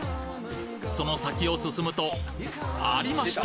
その先を進むとありました！